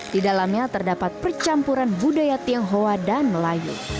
di dalamnya terdapat percampuran budaya tionghoa dan melayu